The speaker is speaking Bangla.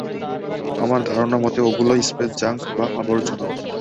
আমার ধারণা মতে ওগুলো স্পেস জাঙ্ক বা আবর্জনা।